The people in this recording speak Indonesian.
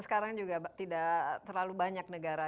karena tidak terlalu banyak negara